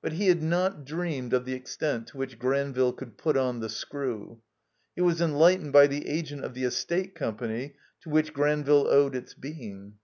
But he had not dreamed of the extent to which Granville could put on the screw. He was enlightened by the agent of the Estate Company to which Granville owed its being.